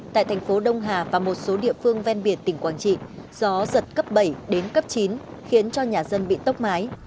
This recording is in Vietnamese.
tại thành phố đông hà và một số địa phương ven biển tỉnh quảng trị gió giật cấp bảy đến cấp chín khiến cho nhà dân bị tốc mái